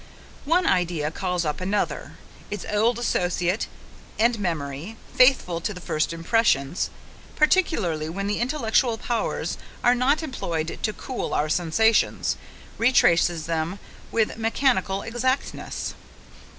One idea calls up another, its old associate, and memory, faithful to the first impressions, particularly when the intellectual powers are not employed to cool our sensations, retraces them with mechanical exactness.